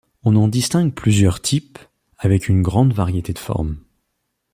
On en distingue plusieurs types avec une grande variété de formes.